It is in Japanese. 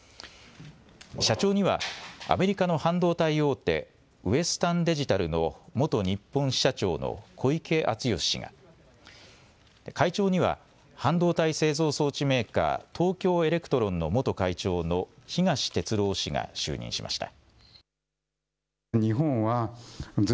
社長にはアメリカの半導体大手、ウエスタンデジタルの元日本支社長の小池淳義氏が、会長には半導体製造装置メーカー東京エレクトロンの元会長の東哲郎氏が就任しました。